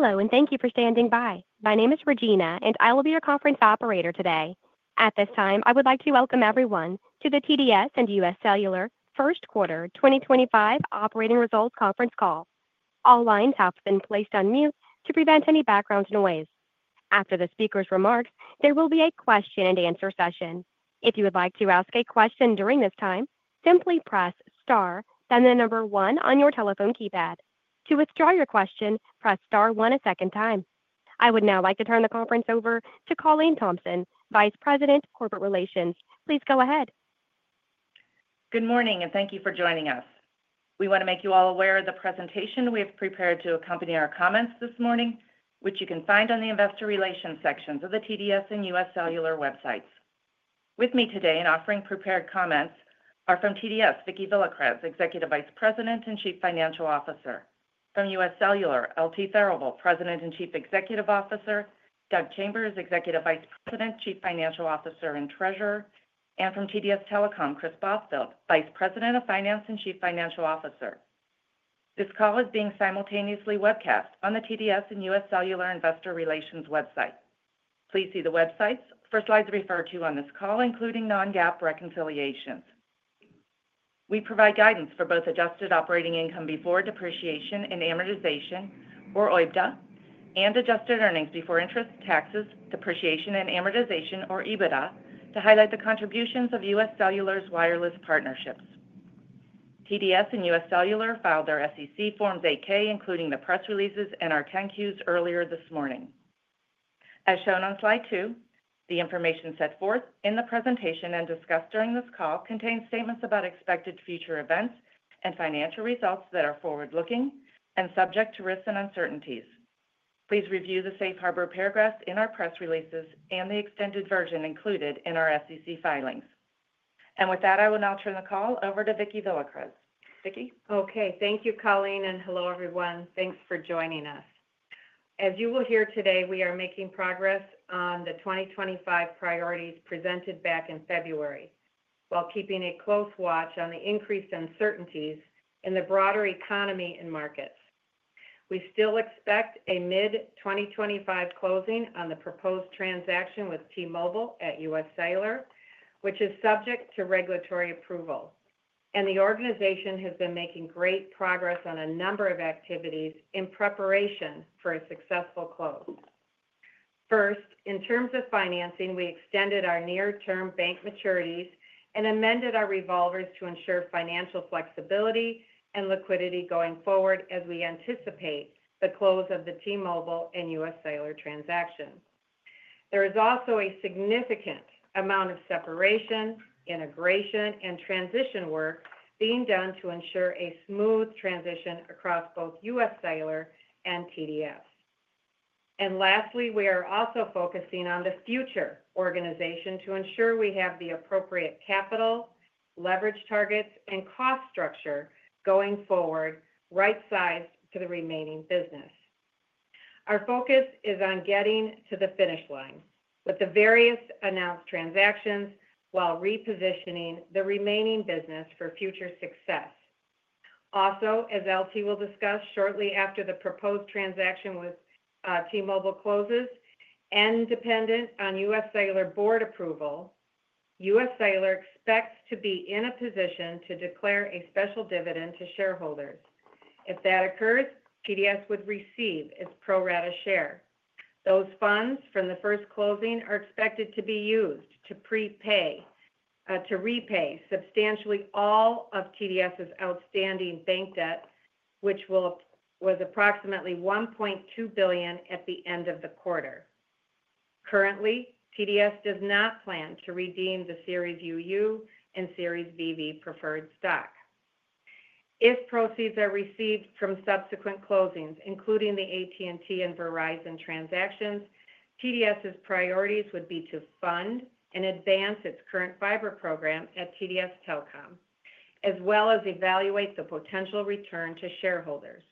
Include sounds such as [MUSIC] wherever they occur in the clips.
Hello, and thank you for standing by. My name is Regina, and I will be your conference operator today. At this time, I would like to welcome everyone to the TDS and UScellular Q1 2025 Operating Results Conference Call. All lines have been placed on mute to prevent any background noise. After the speaker's remarks, there will be a question-and-answer session. If you would like to ask a question during this time, simply press star, then the number one on your telephone keypad. To withdraw your question, press star one a second time. I would now like to turn the conference over to Colleen Thompson, Vice President, Corporate Relations. Please go ahead. Good morning, and thank you for joining us. We want to make you all aware of the presentation we have prepared to accompany our comments this morning, which you can find on the Investor Relations sections of the TDS and UScellular websites. With me today and offering prepared comments are from TDS, Vicki Villacrez, Executive Vice President and Chief Financial Officer. From UScellular, LT Therivel, President and Chief Executive Officer. Doug Chambers, Executive Vice President, Chief Financial Officer, and Treasurer. From TDS Telecom, Kris Bothfeld, Vice President of Finance and Chief Financial Officer. This call is being simultaneously webcast on the TDS and UScellular Investor Relations website. Please see the websites for slides referred to on this call, including non-GAAP reconciliations. We provide guidance for both adjusted operating income before depreciation and amortization, or OIBDA, and adjusted earnings before interest, taxes, depreciation, and amortization, or EBITDA, to highlight the contributions of UScellular's wireless partnerships. TDS and UScellular filed their SEC Forms 8-K, including the press releases and our 10-Qs earlier this morning. As shown on slide two, the information set forth in the presentation and discussed during this call contains statements about expected future events and financial results that are forward-looking and subject to risks and uncertainties. Please review the safe harbor paragraphs in our press releases and the extended version included in our SEC filings. With that, I will now turn the call over to Vicki Villacrez. Vicki. Okay. Thank you, Colleen, and hello, everyone. Thanks for joining us. As you will hear today, we are making progress on the 2025 priorities presented back in February while keeping a close watch on the increased uncertainties in the broader economy and markets. We still expect a mid-2025 closing on the proposed transaction with T-Mobile at UScellular, which is subject to regulatory approval. The organization has been making great progress on a number of activities in preparation for a successful close. First, in terms of financing, we extended our near-term bank maturities and amended our revolvers to ensure financial flexibility and liquidity going forward as we anticipate the close of the T-Mobile and UScellular transaction. There is also a significant amount of separation, integration, and transition work being done to ensure a smooth transition across both UScellular and TDS. Lastly, we are also focusing on the future organization to ensure we have the appropriate capital, leverage targets, and cost structure going forward right-sized to the remaining business. Our focus is on getting to the finish line with the various announced transactions while repositioning the remaining business for future success. Also, as LT will discuss shortly after the proposed transaction with T-Mobile closes and dependent on UScellular board approval, UScellular expects to be in a position to declare a special dividend to shareholders. If that occurs, TDS would receive its pro rata share. Those funds from the first closing are expected to be used to repay substantially all of TDS's outstanding bank debt, which was approximately $1.2 billion at the end of the quarter. Currently, TDS does not plan to redeem the Series UU and Series VV preferred stock. If proceeds are received from subsequent closings, including the AT&T and Verizon transactions, TDS's priorities would be to fund and advance its current fiber program at TDS Telecom, as well as evaluate the potential return to shareholders.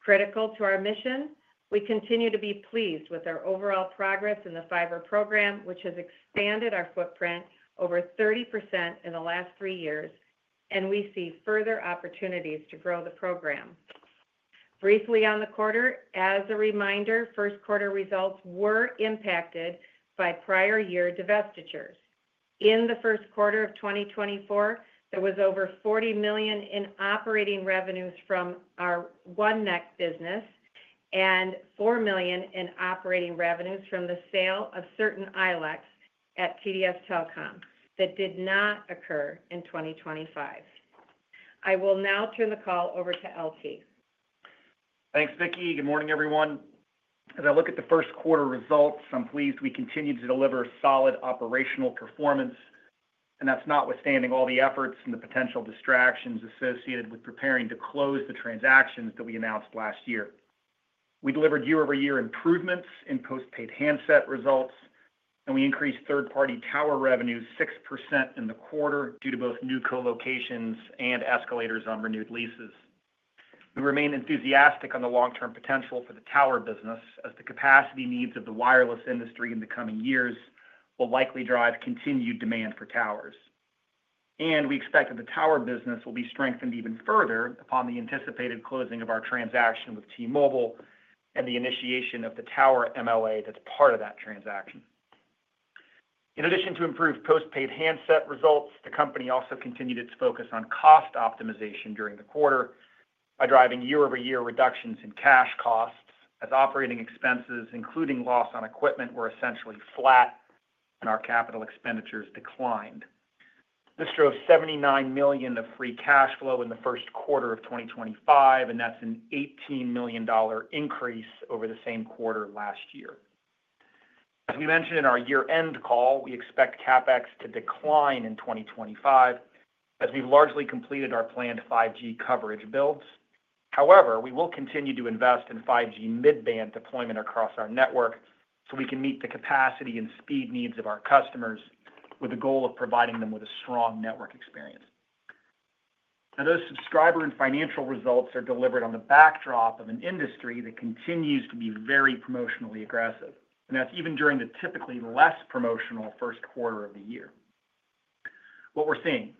Critical to our mission, we continue to be pleased with our overall progress in the fiber program, which has expanded our footprint over 30% in the last three years, and we see further opportunities to grow the program. Briefly on the quarter, as a reminder, Q1 results were impacted by prior year divestitures. In the Q1 of 2024, there was over $40 million in operating revenues from our OneNeck business and $4 million in operating revenues from the sale of certain ILECs at TDS Telecom that did not occur in 2025. I will now turn the call over to LT Thanks, Vicki. Good morning, everyone. As I look at the Q1 results, I'm pleased we continue to deliver solid operational performance, and that's notwithstanding all the efforts and the potential distractions associated with preparing to close the transactions that we announced last year. We delivered year-over-year improvements in postpaid handset results, and we increased third-party tower revenues 6% in the quarter due to both new colocations and escalators on renewed leases. We remain enthusiastic on the long-term potential for the tower business, as the capacity needs of the wireless industry in the coming years will likely drive continued demand for towers. We expect that the tower business will be strengthened even further upon the anticipated closing of our transaction with T-Mobile and the initiation of the tower MLA that's part of that transaction. In addition to improved postpaid handset results, the company also continued its focus on cost optimization during the quarter by driving year-over-year reductions in cash costs as operating expenses, including loss on equipment, were essentially flat and our capital expenditures declined. This drove $79 million of free cash flow in the Q1 of 2025, and that's an $18 million increase over the same quarter last year. As we mentioned in our year-end call, we expect CapEx to decline in 2025 as we've largely completed our planned 5G coverage builds. However, we will continue to invest in 5G mid-band deployment across our network so we can meet the capacity and speed needs of our customers with the goal of providing them with a strong network experience. Now, those subscriber and financial results are delivered on the backdrop of an industry that continues to be very promotionally aggressive, and that's even during the typically less promotional Q1 of the year. What we're seeing,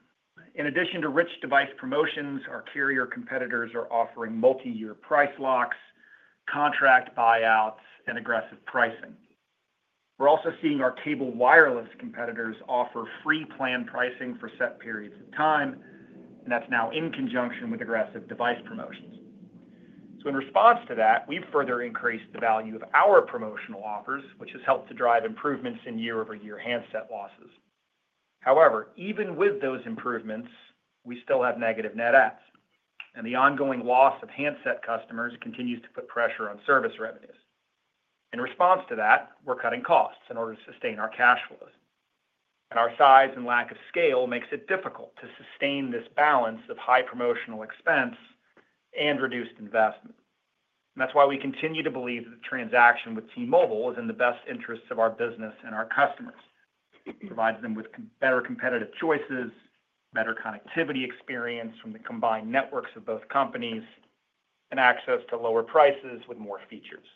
in addition to rich device promotions, our carrier competitors are offering multi-year price locks, contract buyouts, and aggressive pricing. We're also seeing our cable wireless competitors offer free plan pricing for set periods of time, and that's now in conjunction with aggressive device promotions. In response to that, we've further increased the value of our promotional offers, which has helped to drive improvements in year-over-year handset losses. However, even with those improvements, we still have negative net adds, and the ongoing loss of handset customers continues to put pressure on service revenues. In response to that, we're cutting costs in order to sustain our cash flows. Our size and lack of scale makes it difficult to sustain this balance of high promotional expense and reduced investment. That is why we continue to believe that the transaction with T-Mobile is in the best interests of our business and our customers. It provides them with better competitive choices, better connectivity experience from the combined networks of both companies, and access to lower prices with more features.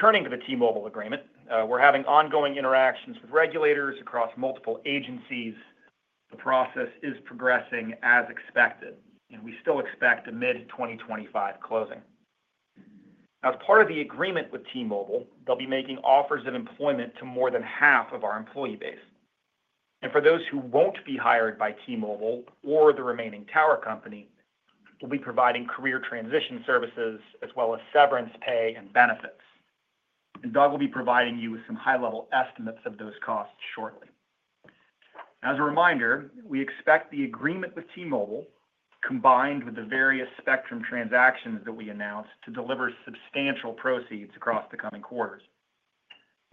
Turning to the T-Mobile agreement, we are having ongoing interactions with regulators across multiple agencies. The process is progressing as expected, and we still expect a mid-2025 closing. As part of the agreement with T-Mobile, they will be making offers of employment to more than half of our employee base. For those who will not be hired by T-Mobile or the remaining tower company, we will be providing career transition services as well as severance pay and benefits. Doug will be providing you with some high-level estimates of those costs shortly. As a reminder, we expect the agreement with T-Mobile, combined with the various spectrum transactions that we announced, to deliver substantial proceeds across the coming quarters.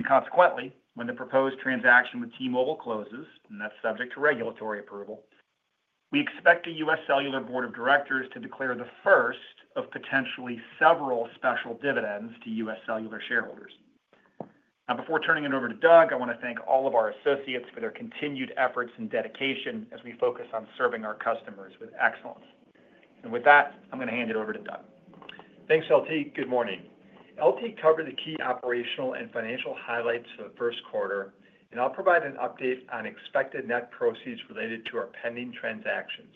Consequently, when the proposed transaction with T-Mobile closes, and that is subject to regulatory approval, we expect the UScellular Board of Directors to declare the first of potentially several special dividends to UScellular shareholders. Now, before turning it over to Doug, I want to thank all of our associates for their continued efforts and dedication as we focus on serving our customers with excellence. With that, I am going to hand it over to Doug. Thanks, LT Good morning. LT covered the key operational and financial highlights of the Q1, and I'll provide an update on expected net proceeds related to our pending transactions.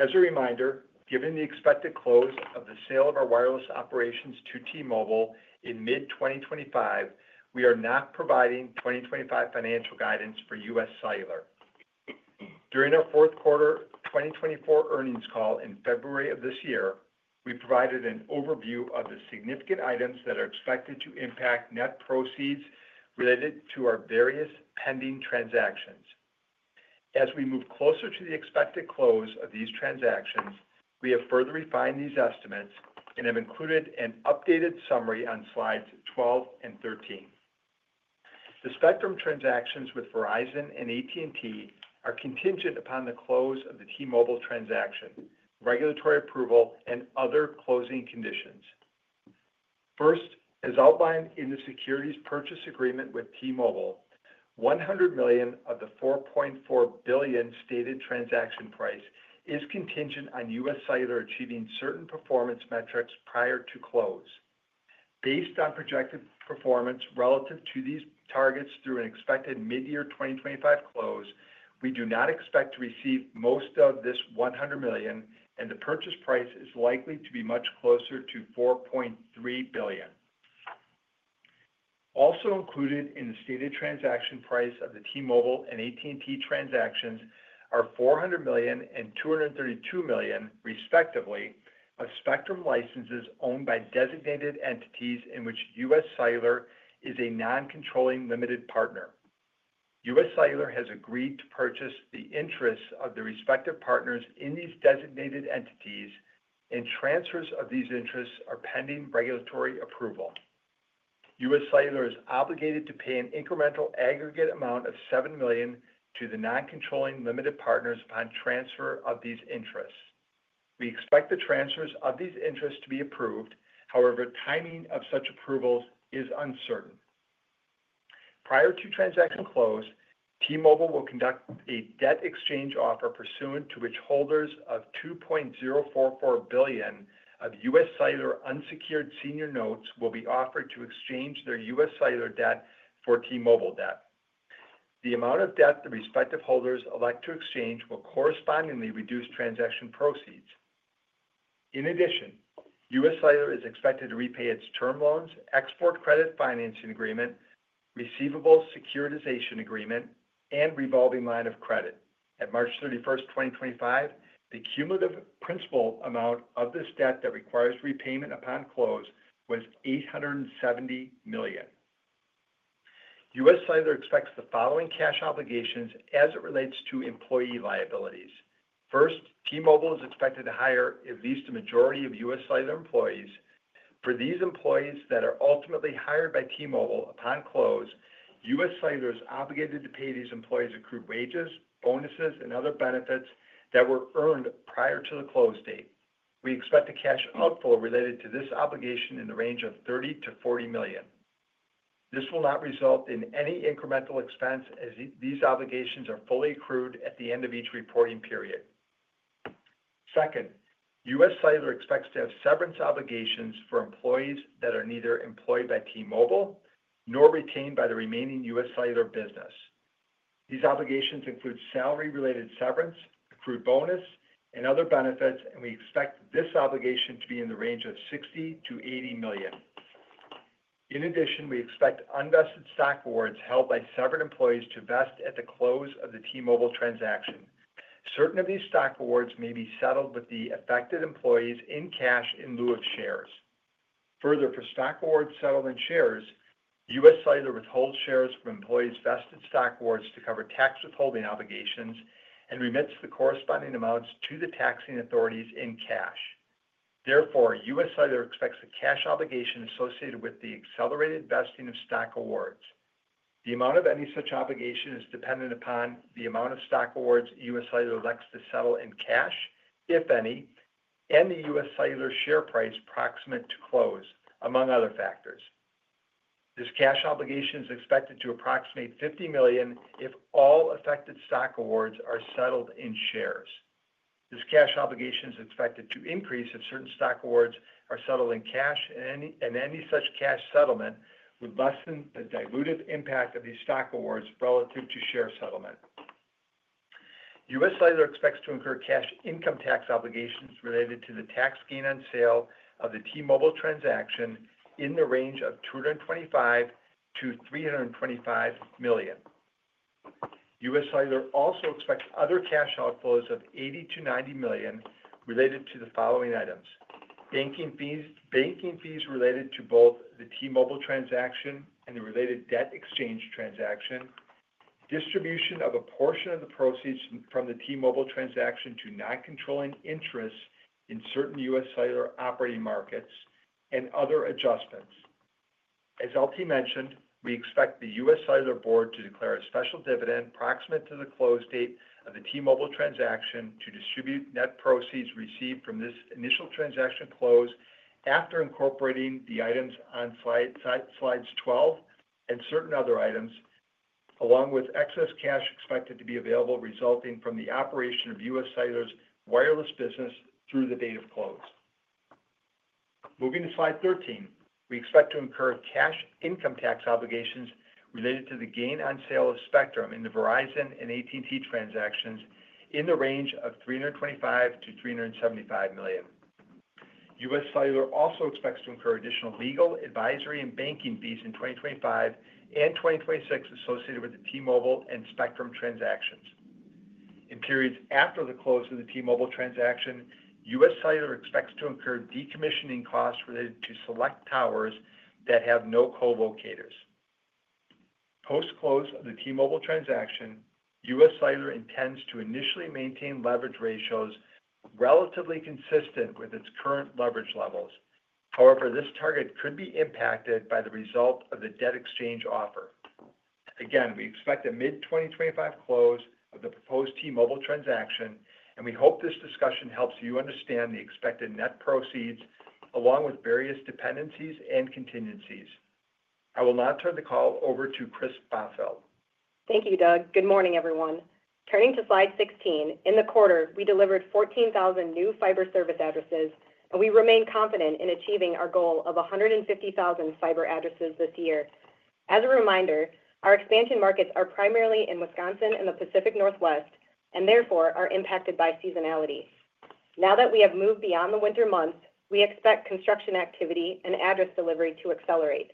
As a reminder, given the expected close of the sale of our wireless operations to T-Mobile in mid-2025, we are not providing 2025 financial guidance for UScellular. During our fourth quarter 2024 earnings call in February of this year, we provided an overview of the significant items that are expected to impact net proceeds related to our various pending transactions. As we move closer to the expected close of these transactions, we have further refined these estimates and have included an updated summary on slides 12 and 13. The spectrum transactions with Verizon and AT&T are contingent upon the close of the T-Mobile transaction, regulatory approval, and other closing conditions. First, as outlined in the securities purchase agreement with T-Mobile, $100 million of the $4.4 billion stated transaction price is contingent on UScellular achieving certain performance metrics prior to close. Based on projected performance relative to these targets through an expected mid-year 2025 close, we do not expect to receive most of this $100 million, and the purchase price is likely to be much closer to $4.3 billion. Also included in the stated transaction price of the T-Mobile and AT&T transactions are $400 million and $232 million, respectively, of spectrum licenses owned by designated entities in which UScellular is a non-controlling limited partner. UScellular has agreed to purchase the interests of the respective partners in these designated entities, and transfers of these interests are pending regulatory approval. UScellular is obligated to pay an incremental aggregate amount of $7 million to the non-controlling limited partners upon transfer of these interests. We expect the transfers of these interests to be approved. However, timing of such approvals is uncertain. Prior to transaction close, T-Mobile will conduct a debt exchange offer pursuant to which holders of $2.044 billion of UScellular unsecured senior notes will be offered to exchange their UScellular debt for T-Mobile debt. The amount of debt the respective holders elect to exchange will correspondingly reduce transaction proceeds. In addition, UScellular is expected to repay its term loans, export credit financing agreement, receivable securitization agreement, and revolving line of credit. At March 31, 2025, the cumulative principal amount of this debt that requires repayment upon close was $870 million. UScellular expects the following cash obligations as it relates to employee liabilities. First, T-Mobile is expected to hire at least a majority of UScellular employees. For these employees that are ultimately hired by T-Mobile upon close, UScellular is obligated to pay these employees accrued wages, bonuses, and other benefits that were earned prior to the close date. We expect the cash outflow related to this obligation in the range of $30 to 40 million. This will not result in any incremental expense as these obligations are fully accrued at the end of each reporting period. Second, UScellular expects to have severance obligations for employees that are neither employed by T-Mobile nor retained by the remaining UScellular business. These obligations include salary-related severance, accrued bonus, and other benefits, and we expect this obligation to be in the range of $60 to 80 million. In addition, we expect unvested stock awards held by severed employees to vest at the close of the T-Mobile transaction. Certain of these stock awards may be settled with the affected employees in cash in lieu of shares. Further, for stock awards settled in shares, UScellular withholds shares from employees' vested stock awards to cover tax withholding obligations and remits the corresponding amounts to the taxing authorities in cash. Therefore, UScellular expects a cash obligation associated with the accelerated vesting of stock awards. The amount of any such obligation is dependent upon the amount of stock awards UScellular elects to settle in cash, if any, and the UScellular share price approximate to close, among other factors. This cash obligation is expected to approximate $50 million if all affected stock awards are settled in shares. This cash obligation is expected to increase if certain stock awards are settled in cash, and any such cash settlement would lessen the dilutive impact of these stock awards relative to share settlement. UScellular expects to incur cash income tax obligations related to the tax gain on sale of the T-Mobile transaction in the range of $225 to 325 million. UScellular also expects other cash outflows of $80 to 90 million related to the following items: banking fees related to both the T-Mobile transaction and the related debt exchange transaction, distribution of a portion of the proceeds from the T-Mobile transaction to non-controlling interests in certain UScellular operating markets, and other adjustments. As LT mentioned, we expect the UScellular Board to declare a special dividend approximate to the close date of the T-Mobile transaction to distribute net proceeds received from this initial transaction close after incorporating the items on slide 12 and certain other items, along with excess cash expected to be available resulting from the operation of UScellular's wireless business through the date of close. Moving to slide 13, we expect to incur cash income tax obligations related to the gain on sale of spectrum in the Verizon and AT&T transactions in the range of $325 to 375 million. UScellular also expects to incur additional legal, advisory, and banking fees in 2025 and 2026 associated with the T-Mobile and spectrum transactions. In periods after the close of the T-Mobile transaction, UScellular expects to incur decommissioning costs related to select towers that have no co-locators. Post-close of the T-Mobile transaction, UScellular intends to initially maintain leverage ratios relatively consistent with its current leverage levels. However, this target could be impacted by the result of the debt exchange offer. Again, we expect a mid-2025 close of the proposed T-Mobile transaction, and we hope this discussion helps you understand the expected net proceeds along with various dependencies and contingencies. I will now turn the call over to Kris Bothfeld. Thank you, Doug. Good morning, everyone. Turning to slide 16, in the quarter, we delivered 14,000 new fiber service addresses, and we remain confident in achieving our goal of 150,000 fiber addresses this year. As a reminder, our expansion markets are primarily in Wisconsin and the Pacific Northwest, and therefore are impacted by seasonality. Now that we have moved beyond the winter months, we expect construction activity and address delivery to accelerate.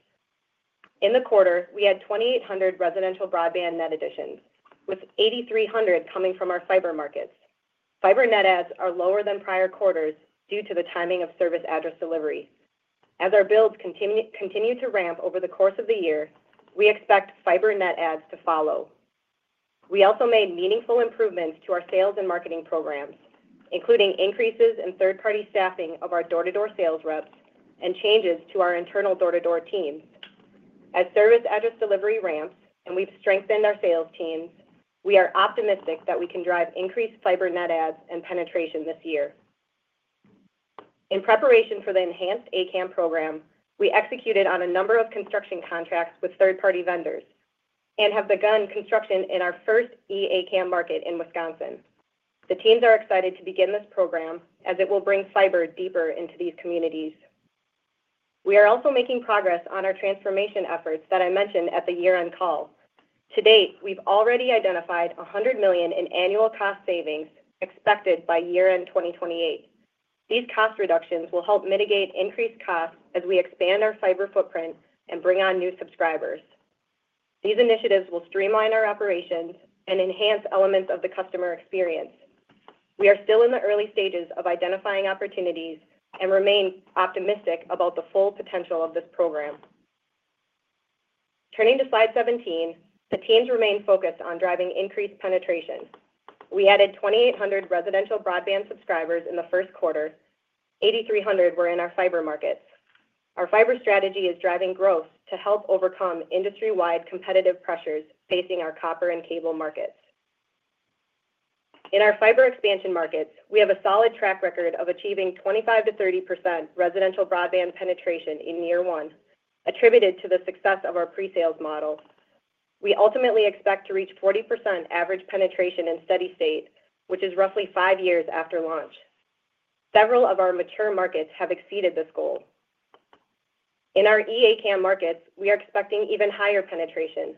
In the quarter, we had 2,800 residential broadband net additions, with 8,300 coming from our fiber markets. Fiber net adds are lower than prior quarters due to the timing of service address delivery. As our builds continue to ramp over the course of the year, we expect fiber net adds to follow. We also made meaningful improvements to our sales and marketing programs, including increases in third-party staffing of our door-to-door sales reps and changes to our internal door-to-door teams. As service address delivery ramps and we've strengthened our sales teams, we are optimistic that we can drive increased fiber net adds and penetration this year. In preparation for the enhanced eACAM program, we executed on a number of construction contracts with third-party vendors and have begun construction in our first eACAM market in Wisconsin. The teams are excited to begin this program as it will bring fiber deeper into these communities. We are also making progress on our transformation efforts that I mentioned at the year-end call. To date, we've already identified $100 million in annual cost savings expected by year-end 2028. These cost reductions will help mitigate increased costs as we expand our fiber footprint and bring on new subscribers. These initiatives will streamline our operations and enhance elements of the customer experience. We are still in the early stages of identifying opportunities and remain optimistic about the full potential of this program. Turning to slide 17, the teams remain focused on driving increased penetration. We added 2,800 residential broadband subscribers in the Q1. 8,300 were in our fiber markets. Our fiber strategy is driving growth to help overcome industry-wide competitive pressures facing our copper and cable markets. In our fiber expansion markets, we have a solid track record of achieving 25% to 30% residential broadband penetration in year one, attributed to the success of our pre-sales model. We ultimately expect to reach 40% average penetration in steady state, which is roughly five years after launch. Several of our mature markets have exceeded this goal. In our eACAM markets, we are expecting even higher penetration,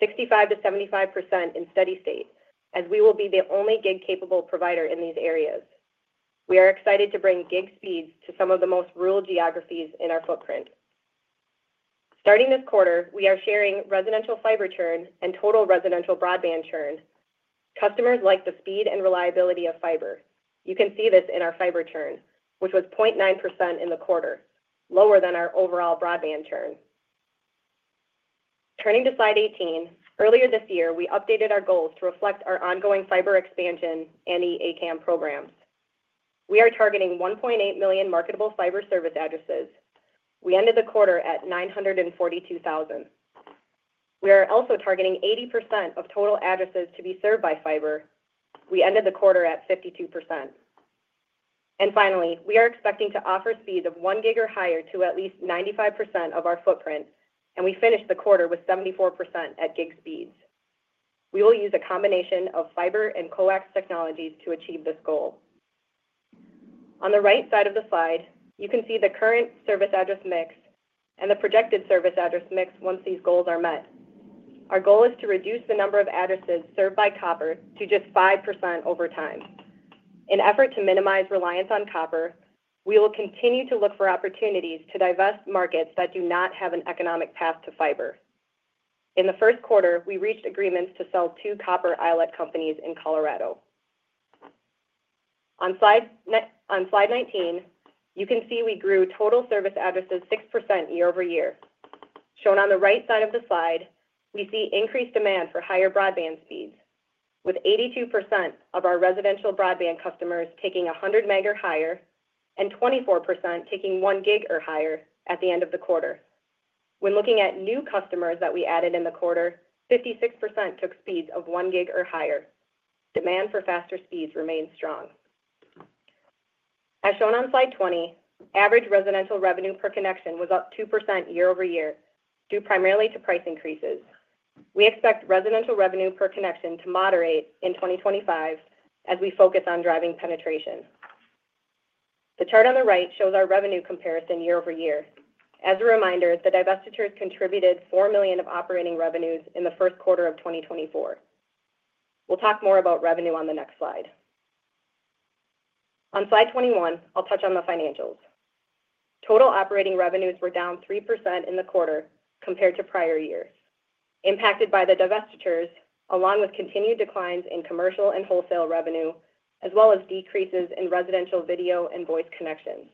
65% to 75% in steady state, as we will be the only gig-capable provider in these areas. We are excited to bring gig speeds to some of the most rural geographies in our footprint. Starting this quarter, we are sharing residential fiber churn and total residential broadband churn. Customers like the speed and reliability of fiber. You can see this in our fiber churn, which was 0.9% in the quarter, lower than our overall broadband churn. Turning to slide 18, earlier this year, we updated our goals to reflect our ongoing fiber expansion and eACAM programs. We are targeting 1.8 million marketable fiber service addresses. We ended the quarter at 942,000. We are also targeting 80% of total addresses to be served by fiber. We ended the quarter at 52%. Finally, we are expecting to offer speeds of 1 gig or higher to at least 95% of our footprint, and we finished the quarter with 74% at gig speeds. We will use a combination of fiber and coax technologies to achieve this goal. On the right side of the slide, you can see the current service address mix and the projected service address mix once these goals are met. Our goal is to reduce the number of addresses served by copper to just 5% over time. In an effort to minimize reliance on copper, we will continue to look for opportunities to divest markets that do not have an economic path to fiber. In the Q1, we reached agreements to sell two copper ILEC companies in Colorado. On slide 19, you can see we grew total service addresses 6% year over year. Shown on the right side of the slide, we see increased demand for higher broadband speeds, with 82% of our residential broadband customers taking 100 meg or higher and 24% taking one gig or higher at the end of the quarter. When looking at new customers that we added in the quarter, 56% took speeds of one gig or higher. Demand for faster speeds remains strong. As shown on slide 20, average residential revenue per connection was up 2% year over year due primarily to price increases. We expect residential revenue per connection to moderate in 2025 as we focus on driving penetration. The chart on the right shows our revenue comparison year over year. As a reminder, the divestitures contributed $4 million of operating revenues in the Q1 of 2024. We'll talk more about revenue on the next slide. On slide 21, I'll touch on the financials. Total operating revenues were down 3% in the quarter compared to prior years, impacted by the divestitures along with continued declines in commercial and wholesale revenue, as well as decreases in residential video and voice connections.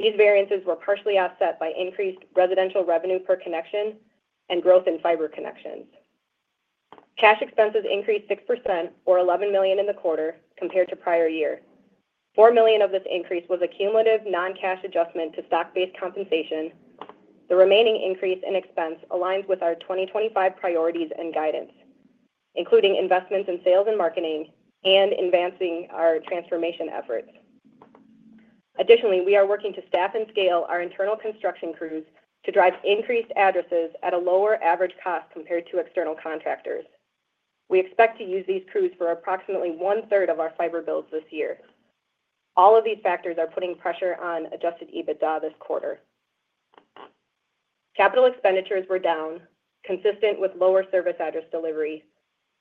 These variances were partially offset by increased residential revenue per connection and growth in fiber connections. Cash expenses increased 6%, or $11 million in the quarter, compared to prior year. $4 million of this increase was a cumulative non-cash adjustment to stock-based compensation. The remaining increase in expense aligns with our 2025 priorities and guidance, including investments in sales and marketing and advancing our transformation efforts. Additionally, we are working to staff and scale our internal construction crews to drive increased addresses at a lower average cost compared to external contractors. We expect to use these crews for approximately 1/3 of our fiber builds this year. All of these factors are putting pressure on adjusted EBITDA this quarter. Capital expenditures were down, consistent with lower service address delivery.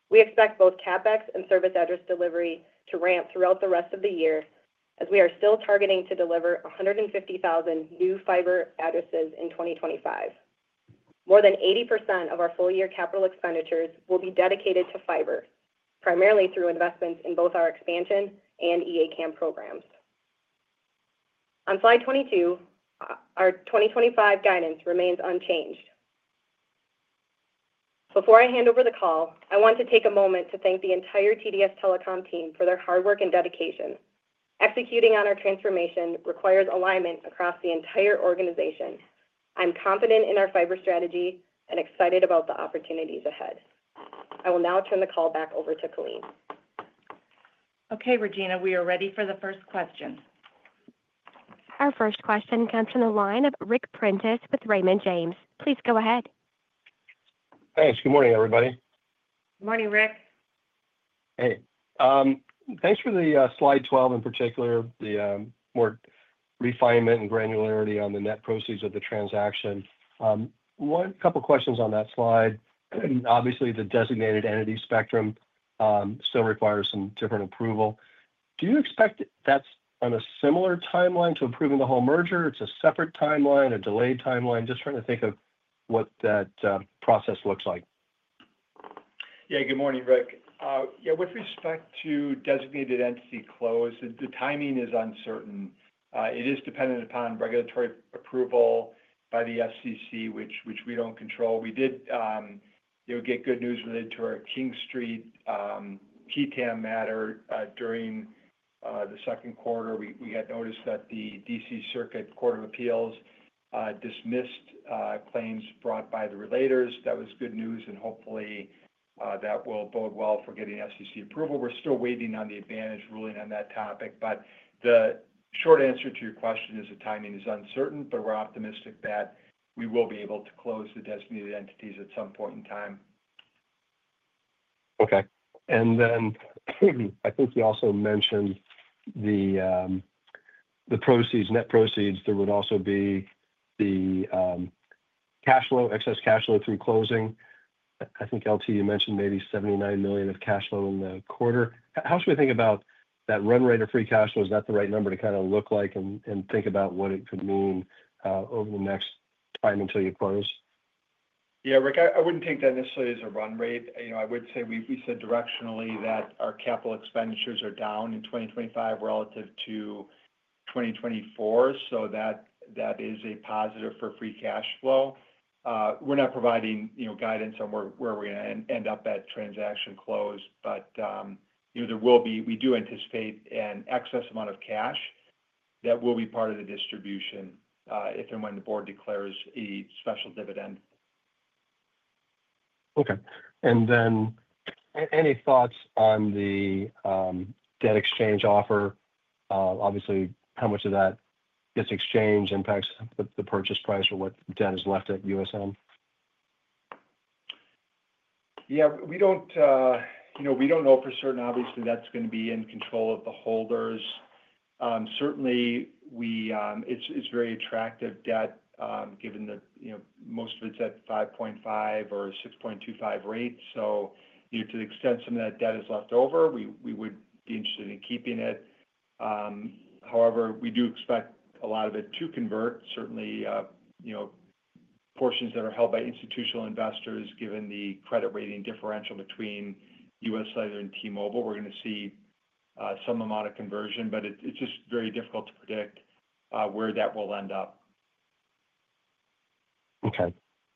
We expect both CapEx and service address delivery to ramp throughout the rest of the year as we are still targeting to deliver 150,000 new fiber addresses in 2025. More than 80% of our full-year capital expenditures will be dedicated to fiber, primarily through investments in both our expansion and eACAM programs. On slide 22, our 2025 guidance remains unchanged. Before I hand over the call, I want to take a moment to thank the entire TDS Telecom team for their hard work and dedication. Executing on our transformation requires alignment across the entire organization. I'm confident in our fiber strategy and excited about the opportunities ahead. I will now turn the call back over to Colleen. Okay, Regina, we are ready for the first question. Our first question comes from the line of Ric Prentiss with Raymond James. Please go ahead. Thanks. Good morning, everybody. Good morning, Ric. Hey. Thanks for the slide 12 in particular, the more refinement and granularity on the net proceeds of the transaction. One couple of questions on that slide. Obviously, the designated entity spectrum still requires some different approval. Do you expect that's on a similar timeline to approving the whole merger? Is it a separate timeline, a delayed timeline? Just trying to think of what that process looks like. Yeah, good morning, Ric. Yeah, with respect to designated entity close, the timing is uncertain. It is dependent upon regulatory approval by the FCC, which we do not control. We did get good news related to our King Street PTAM matter during the Q2. We had noticed that the D.C. Circuit Court of Appeals dismissed claims brought by the relators. That was good news, and hopefully, that will bode well for getting FCC approval. We are still waiting on the advantage ruling on that topic, but the short answer to your question is the timing is uncertain, but we are optimistic that we will be able to close the designated entities at some point in time. Okay. I think you also mentioned the proceeds, net proceeds. There would also be the cash flow, excess cash flow through closing. I think, LT, you mentioned maybe $79 million of cash flow in the quarter. How should we think about that run rate of free cash flow? Is that the right number to kind of look like and think about what it could mean over the next time until you close? Yeah, Ric, I wouldn't take that necessarily as a run rate. I would say we said directionally that our capital expenditures are down in 2025 relative to 2024, so that is a positive for free cash flow. We're not providing guidance on where we're going to end up at transaction close, but there will be—we do anticipate an excess amount of cash that will be part of the distribution if and when the board declares a special dividend. Okay. Any thoughts on the debt exchange offer? Obviously, how much of that gets exchanged impacts the purchase price or what debt is left at USM? Yeah, we don't know for certain. Obviously, that's going to be in control of the holders. Certainly, it's very attractive debt given that most of it's at 5.5% or 6.25% rates. To the extent some of that debt is left over, we would be interested in keeping it. However, we do expect a lot of it to convert. Certainly, portions that are held by institutional investors, given the credit rating differential between UScellular and T-Mobile, we're going to see some amount of conversion, but it's just very difficult to predict where that will end up. Okay.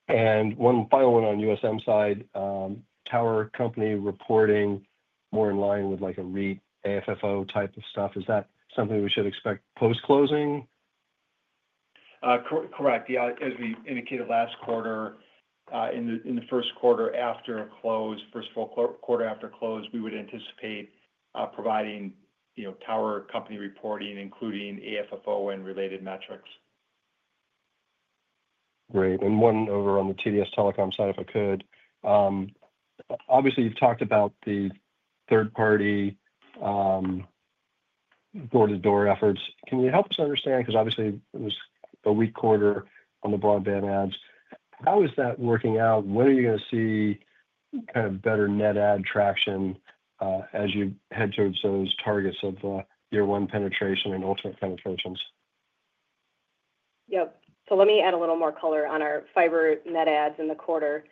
And one final one on USM side, Tower Company reporting more in line with a REIT AFFO type of stuff. Is that something we should expect post-closing? Correct. As we indicated last quarter, in the Q1 after close, first full quarter after close, we would anticipate providing Tower Company reporting, including AFFO and related metrics. Great. One over on the TDS Telecom side, if I could. Obviously, you've talked about the third-party door-to-door efforts. Can you help us understand, because obviously, it was a weak quarter on the broadband ads? How is that working out? When are you going to see kind of better net ad traction as you head towards those targets of year-one penetration and ultimate penetrations? Yep. Let me add a little more color on our fiber net ads in the quarter.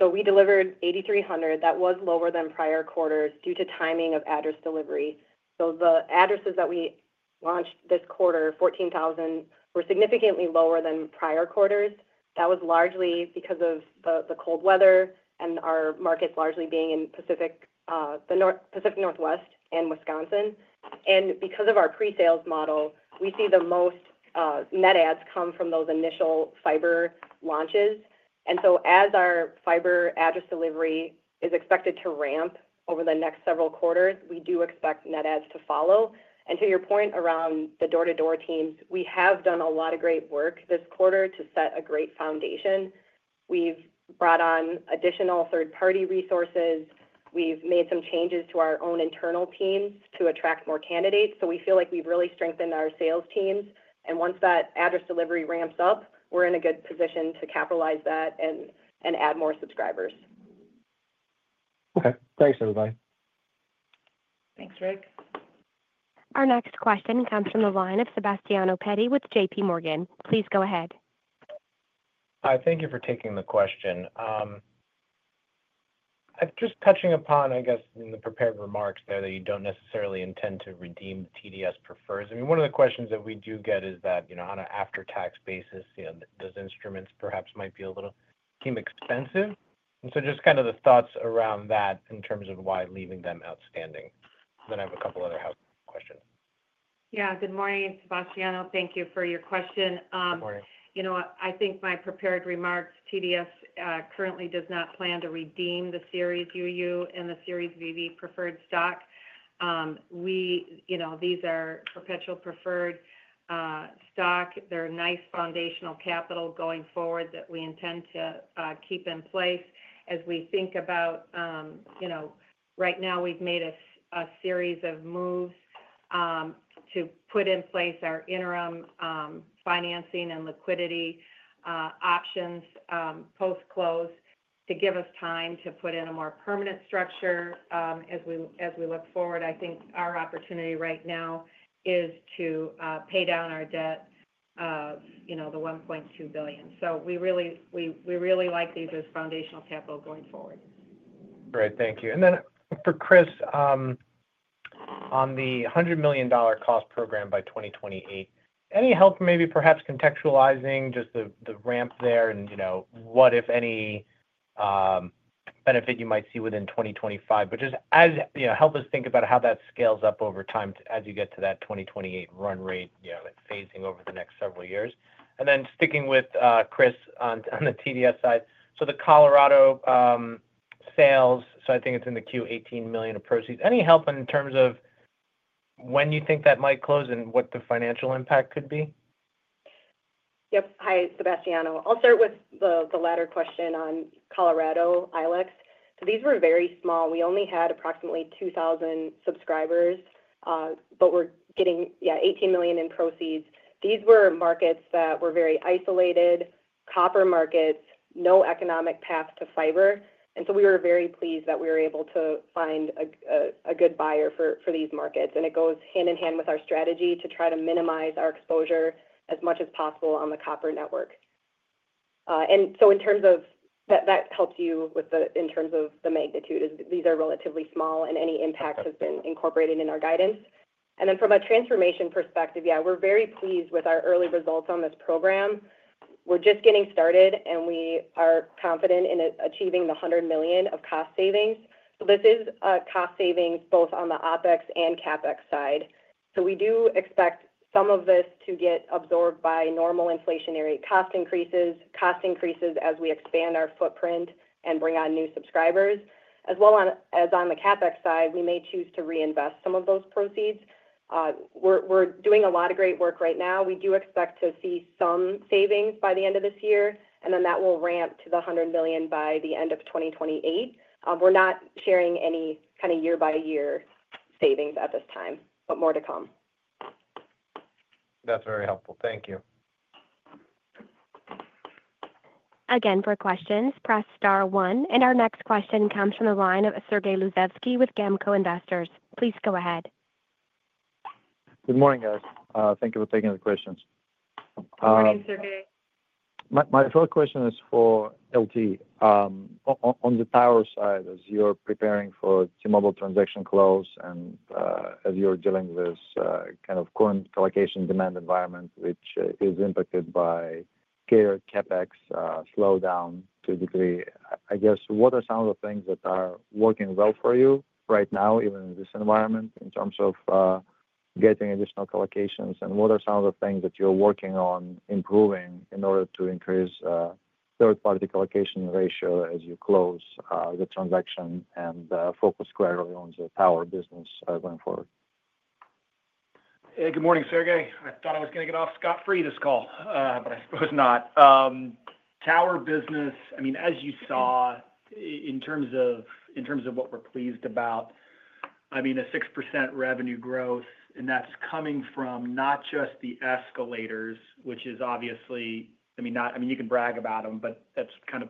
We delivered 8,300. That was lower than prior quarters due to timing of address delivery. The addresses that we launched this quarter, 14,000, were significantly lower than prior quarters. That was largely because of the cold weather and our markets largely being in Pacific Northwest and Wisconsin. Because of our pre-sales model, we see the most net ads come from those initial fiber launches. As our fiber address delivery is expected to ramp over the next several quarters, we do expect net ads to follow. To your point around the door-to-door teams, we have done a lot of great work this quarter to set a great foundation. We've brought on additional third-party resources. We've made some changes to our own internal teams to attract more candidates. We feel like we've really strengthened our sales teams. Once that address delivery ramps up, we're in a good position to capitalize that and add more subscribers. Okay. Thanks, everybody. Thanks, Ric. Our next question comes from the line of Sebastiano Petti with JP Morgan. Please go ahead. Hi. Thank you for taking the question. Just touching upon, I guess, in the prepared remarks there that you don't necessarily intend to redeem TDS prefers. I mean, one of the questions that we do get is that on an after-tax basis, those instruments perhaps might be a little too expensive. I mean, just kind of the thoughts around that in terms of why leaving them outstanding. Then I have a couple of other questions. Yeah. Good morning, Sebastiano. Thank you for your question. Good morning. I think my prepared remarks, TDS currently does not plan to redeem the Series UU and the Series VV preferred stock. These are perpetual preferred stock. They're a nice foundational capital going forward that we intend to keep in place as we think about right now, we've made a series of moves to put in place our interim financing and liquidity options post-close to give us time to put in a more permanent structure as we look forward. I think our opportunity right now is to pay down our debt of the $1.2 billion. So we really like these as foundational capital going forward. Great. Thank you. For Chris, on the $100 million cost program by 2028, any help maybe perhaps contextualizing just the ramp there and what, if any, benefit you might see within 2025? Just help us think about how that scales up over time as you get to that 2028 run rate phasing over the next several years. Sticking with Chris on the TDS side, the Colorado sales, I think it's in the Q1 $8 million of proceeds. Any help in terms of when you think that might close and what the financial impact could be? Yep. Hi, Sebastiano. I'll start with the latter question on Colorado ILECs. These were very small. We only had approximately 2,000 subscribers, but we're getting $18 million in proceeds. These were markets that were very isolated, copper markets, no economic path to fiber. We were very pleased that we were able to find a good buyer for these markets. It goes hand in hand with our strategy to try to minimize our exposure as much as possible on the copper network. In terms of the magnitude, these are relatively small, and any impact has been incorporated in our guidance. From a transformation perspective, we're very pleased with our early results on this program. We're just getting started, and we are confident in achieving the $100 million of cost savings. This is cost savings both on the OpEx and CapEx side. We do expect some of this to get absorbed by normal inflationary cost increases, cost increases as we expand our footprint and bring on new subscribers. As well as on the CapEx side, we may choose to reinvest some of those proceeds. We're doing a lot of great work right now. We do expect to see some savings by the end of this year, and then that will ramp to the $100 million by the end of 2028. We're not sharing any kind of year-by-year savings at this time, but more to come. That's very helpful. Thank you. Again, for questions, press star one. Our next question comes from the line of Sergey Dluzhevskiy with GAMCO Investors. Please go ahead. Good morning, guys. Thank you for taking the questions. Thank you Sergey. My first question is for LT. On the tower side, as you're preparing for T-Mobile transaction close and as you're dealing with this kind of current collocation demand environment, which is impacted by CapEx slowdown to a degree, I guess, what are some of the things that are working well for you right now, even in this environment, in terms of getting additional collocations? What are some of the things that you're working on improving in order to increase third-party collocation ratio as you close the transaction and focus squarely on the tower business going forward? Hey, good morning, Sergey. I thought I was going to get off scot-free this call, but I suppose not. Tower business, I mean, as you saw, in terms of what we're pleased about, I mean, a 6% revenue growth, and that's coming from not just the escalators, which is obviously, I mean, you can brag about them, but that's kind of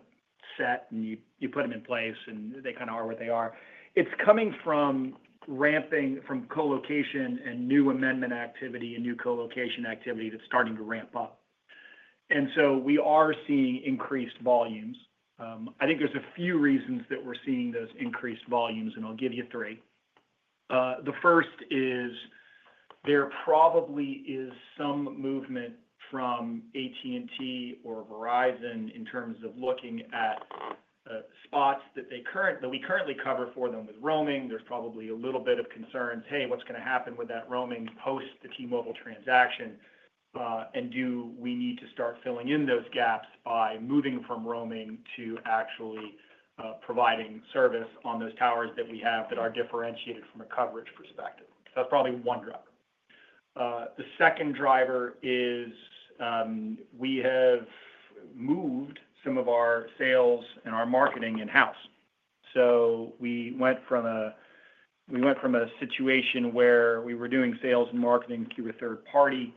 set, and you put them in place, and they kind of are what they are. It's coming from collocation and new amendment activity and new collocation activity that's starting to ramp up. We are seeing increased volumes. I think there's a few reasons that we're seeing those increased volumes, and I'll give you three. The first is there probably is some movement from AT&T or Verizon in terms of looking at spots that we currently cover for them with roaming. There's probably a little bit of concerns, "Hey, what's going to happen with that roaming post the T-Mobile transaction?" Do we need to start filling in those gaps by moving from roaming to actually providing service on those towers that we have that are differentiated from a coverage perspective? That's probably one driver. The second driver is we have moved some of our sales and our marketing in-house. We went from a situation where we were doing sales and marketing through a third party.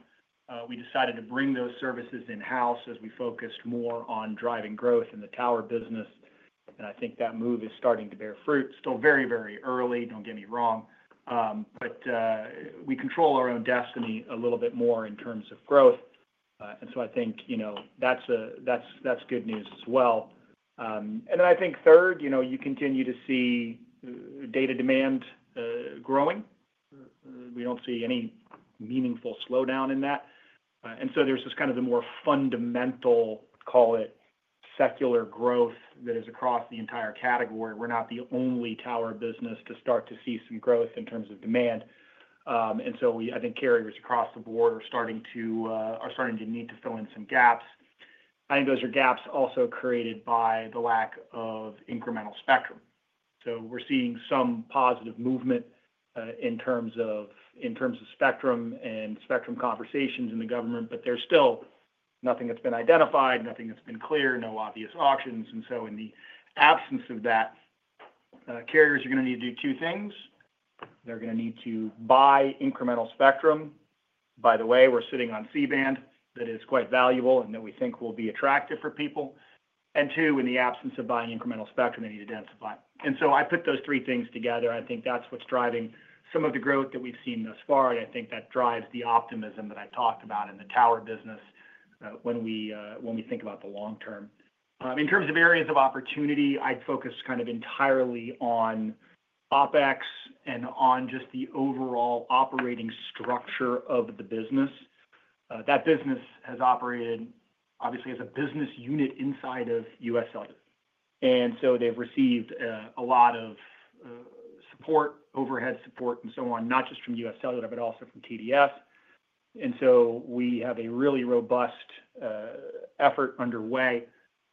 We decided to bring those services in-house as we focused more on driving growth in the tower business. I think that move is starting to bear fruit. Still very, very early, do not get me wrong. We control our own destiny a little bit more in terms of growth. I think that's good news as well. I think third, you continue to see data demand growing. We do not see any meaningful slowdown in that. There is just kind of the more fundamental, call it, secular growth that is across the entire category. We are not the only tower business to start to see some growth in terms of demand. I think carriers across the board are starting to need to fill in some gaps. I think those are gaps also created by the lack of incremental spectrum. We are seeing some positive movement in terms of spectrum and spectrum conversations in the government, but there is still nothing that has been identified, nothing that has been clear, no obvious auctions. In the absence of that, carriers are going to need to do two things. They are going to need to buy incremental spectrum. By the way, we're sitting on C-band that is quite valuable and that we think will be attractive for people. Two, in the absence of buying incremental spectrum, they need to densify. I put those three things together. I think that's what's driving some of the growth that we've seen thus far. I think that drives the optimism that I talked about in the tower business when we think about the long term. In terms of areas of opportunity, I'd focus kind of entirely on OpEx and on just the overall operating structure of the business. That business has operated, obviously, as a business unit inside of UScellular. They've received a lot of support, overhead support, and so on, not just from UScellular, but also from TDS. We have a really robust effort underway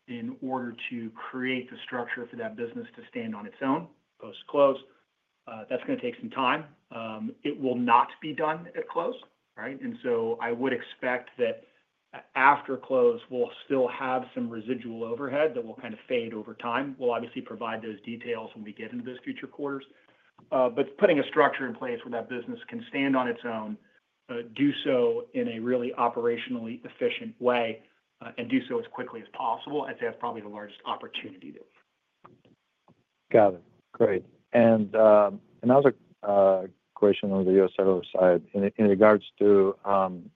in order to create the structure for that business to stand on its own post-close. That is going to take some time. It will not be done at close, right? I would expect that after close, we will still have some residual overhead that will kind of fade over time. We will obviously provide those details when we get into those future quarters. Putting a structure in place where that business can stand on its own, do so in a really operationally efficient way, and do so as quickly as possible, I would say that is probably the largest opportunity there. Got it. Great. Another question on the UScellular side in regards to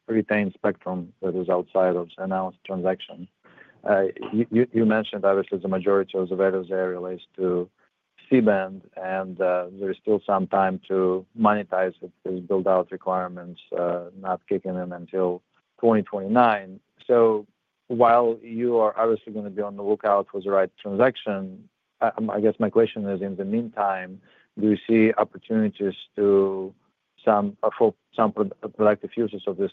retained spectrum that is outside of the announced transaction. You mentioned, obviously, the majority of the value there relates to C-band, and there is still some time to monetize it, build out requirements not kicking in until 2029. While you are obviously going to be on the lookout for the right transaction, I guess my question is, in the meantime, do you see opportunities for some productive uses of the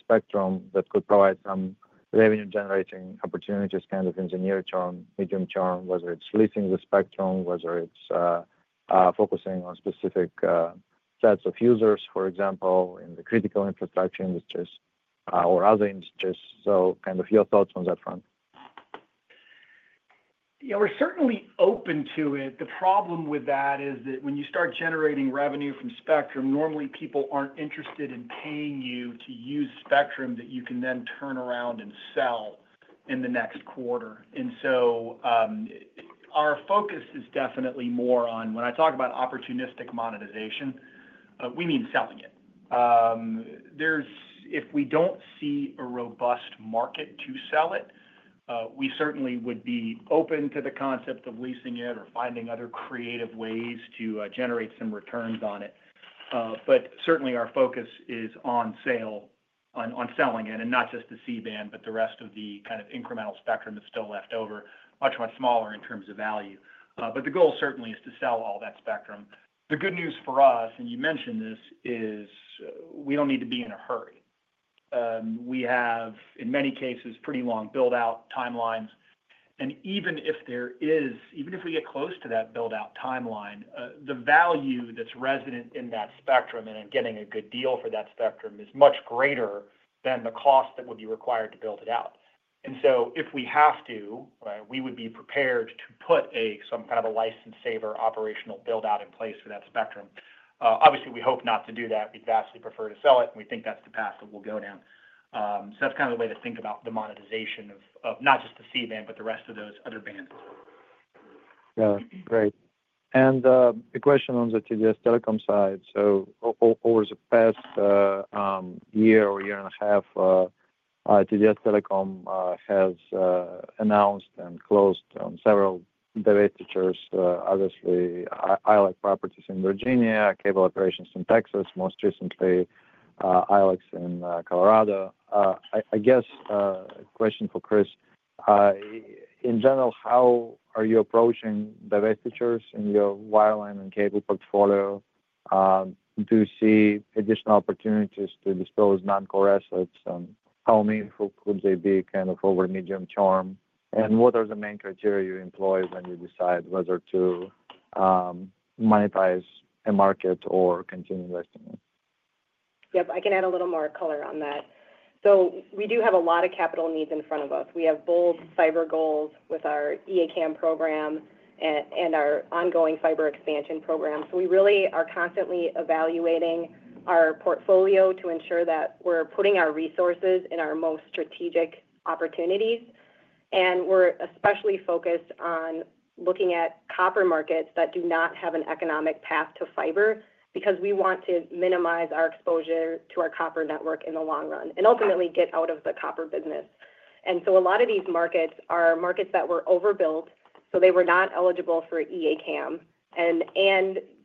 spectrum that could provide some revenue-generating opportunities in the near term, medium term, whether it is leasing the spectrum, whether it is focusing on specific sets of users, for example, in the critical infrastructure industries or other industries? Your thoughts on that front. Yeah. We're certainly open to it. The problem with that is that when you start generating revenue from spectrum, normally people aren't interested in paying you to use spectrum that you can then turn around and sell in the next quarter. Our focus is definitely more on when I talk about opportunistic monetization, we mean selling it. If we don't see a robust market to sell it, we certainly would be open to the concept of leasing it or finding other creative ways to generate some returns on it. Certainly, our focus is on selling it and not just the C-band, but the rest of the kind of incremental spectrum that's still left over, much, much smaller in terms of value. The goal certainly is to sell all that spectrum. The good news for us, and you mentioned this, is we don't need to be in a hurry. We have, in many cases, pretty long build-out timelines. Even if we get close to that build-out timeline, the value that's resident in that spectrum and in getting a good deal for that spectrum is much greater than the cost that would be required to build it out. If we have to, we would be prepared to put some kind of a license-saver operational build-out in place for that spectrum. Obviously, we hope not to do that. We'd vastly prefer to sell it, and we think that's the path that we'll go down. That's kind of the way to think about the monetization of not just the C-band, but the rest of those other bands. Yeah. Great. A question on the TDS Telecom side. Over the past year or year and a half, TDS Telecom has announced and closed on several divestitures, obviously, ILEC properties in Virginia, cable operations in Texas, most recently ILEC in Colorado. I guess a question for Kris. In general, how are you approaching divestitures in your wireline and cable portfolio? Do you see additional opportunities to dispose non-core assets? How meaningful could they be kind of over the medium term? What are the main criteria you employ when you decide whether to monetize a market or continue investing in it? Yep. I can add a little more color on that. We do have a lot of capital needs in front of us. We have bold fiber goals with our eACAM program and our ongoing fiber expansion program. We really are constantly evaluating our portfolio to ensure that we're putting our resources in our most strategic opportunities. We're especially focused on looking at copper markets that do not have an economic path to fiber because we want to minimize our exposure to our copper network in the long run and ultimately get out of the copper business. A lot of these markets are markets that were overbuilt, so they were not eligible for eACAM.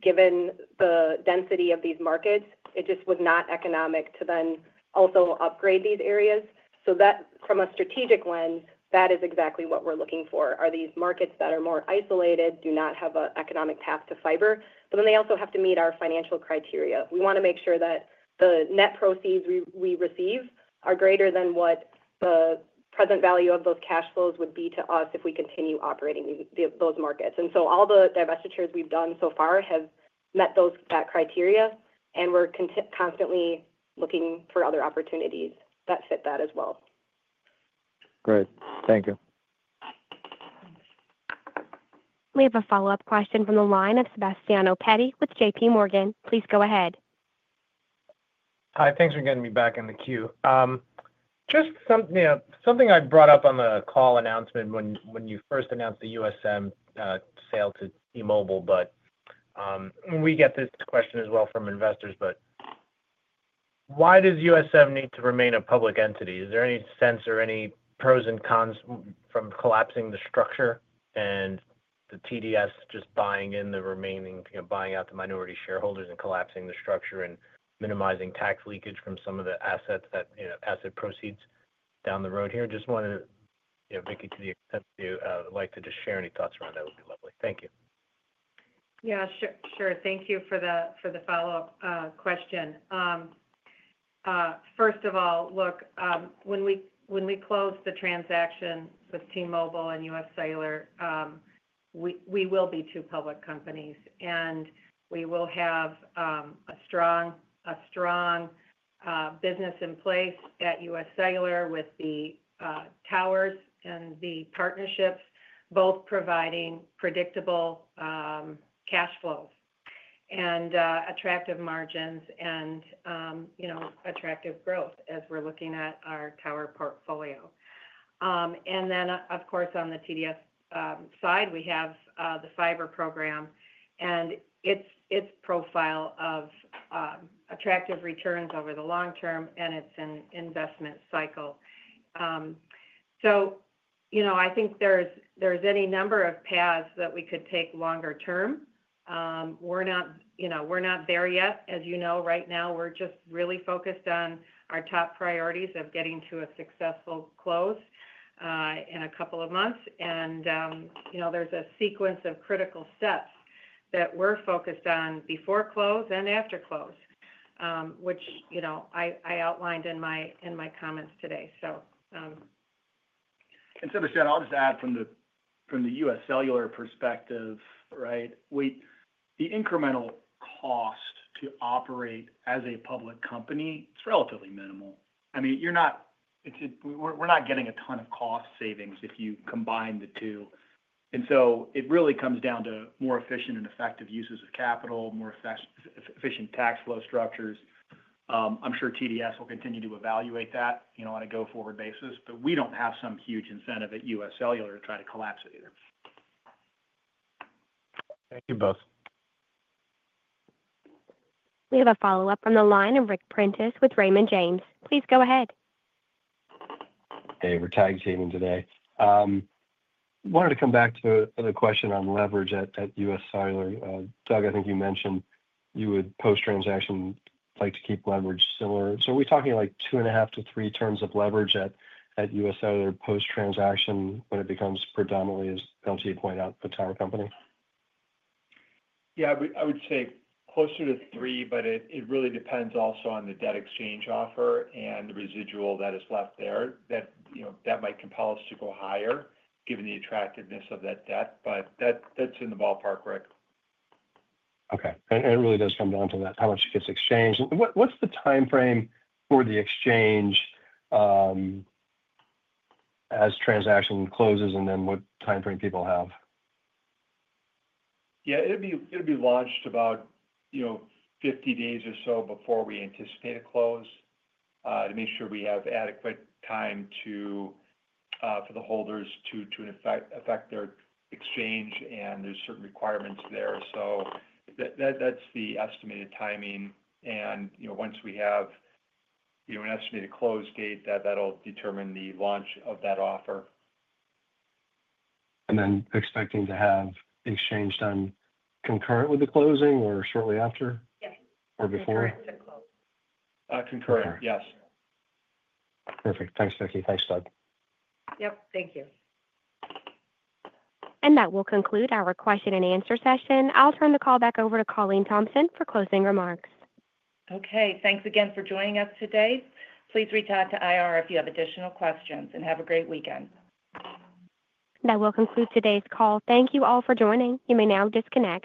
Given the density of these markets, it just was not economic to then also upgrade these areas. From a strategic lens, that is exactly what we're looking for, are these markets that are more isolated, do not have an economic path to fiber, but then they also have to meet our financial criteria. We want to make sure that the net proceeds we receive are greater than what the present value of those cash flows would be to us if we continue operating those markets. All the divestitures we've done so far have met that criteria, and we're constantly looking for other opportunities that fit that as well. Great. Thank you. We have a follow-up question from the line of Sebastiano Petti with JP Morgan. Please go ahead. Hi. Thanks for getting me back in the queue. Just something I brought up on the call announcement when you first announced the UScellular sale to T-Mobile, but we get this question as well from investors, why does UScellular need to remain a public entity? Is there any sense or any pros and cons from collapsing the structure and TDS just buying in the remaining, buying out the minority shareholders and collapsing the structure and minimizing tax leakage from some of the asset proceeds down the road here? Just wanted to, Vicki, to the extent that you'd like to just share any thoughts around that would be lovely. Thank you. Yeah. Sure. Thank you for the follow-up question. First of all, look, when we close the transaction with T-Mobile and UScellular, we will be two public companies. We will have a strong business in place at UScellular with the towers and the partnerships, both providing predictable cash flows and attractive margins and attractive growth as we're looking at our tower portfolio. On the TDS side, we have the fiber program and its profile of attractive returns over the long term and its investment cycle. I think there's any number of paths that we could take longer term. We're not there yet. As you know, right now, we're just really focused on our top priorities of getting to a successful close in a couple of months. There is a sequence of critical steps that we're focused on before close and after close, which I outlined in my comments today. I'll just add from the UScellular perspective, right? The incremental cost to operate as a public company, it's relatively minimal. I mean, we're not getting a ton of cost savings if you combine the two. It really comes down to more efficient and effective uses of capital, more efficient tax flow structures. I'm sure TDS will continue to evaluate that on a go-forward basis, but we don't have some huge incentive at UScellular to try to collapse it either. Thank you both. We have a follow-up on the line of Ric Prentiss with Raymond James. Please go ahead. Hey. Ric, how are you doing today? Wanted to come back to the question on leverage at UScellular. Doug, I think you mentioned you would post-transaction like to keep leverage similar. Are we talking like two and a half to three turns of leverage at UScellular post-transaction when it becomes iredominantly, as Vicky pointed out, a tower company? Yeah. I would say closer to three, but it really depends also on the debt exchange offer and the residual that is left there that might compel us to go higher given the attractiveness of that debt. That's in the ballpark, Ric. Okay. It really does come down to how much it gets exchanged. What's the timeframe for the exchange as transaction closes, and then what timeframe people have? Yeah. It'll be launched about 50 days or so before we anticipate a close to make sure we have adequate time for the holders to affect their exchange, and there are certain requirements there. That's the estimated timing. Once we have an estimated close date, that'll determine the launch of that offer. Are you expecting to have the exchange done concurrent with the closing or shortly after or before? Concurrent to close. Concurrent, yes. Perfect. [CROSSTALK] Thanks, Vicki. Thanks, Doug. Yep. Thank you. That will conclude our question and answer session. I'll turn the call back over to Colleen Thompson for closing remarks. Okay. Thanks again for joining us today. Please reach out to IR if you have additional questions, and have a great weekend. That will conclude today's call. Thank you all for joining. You may now disconnect.